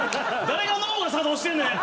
誰が脳が作動してんねん！